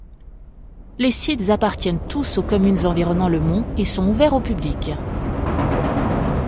Les sites appartiennent tous aux communes environnant le Mont et sont ouverts au public.